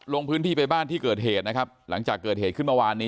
ลงพื้นที่ไปบ้านที่เกิดเหตุนะครับหลังจากเกิดเหตุขึ้นเมื่อวานนี้